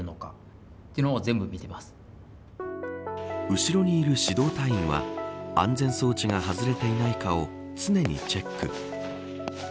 後ろにいる指導隊員は安全装置が外れていないかを常にチェック。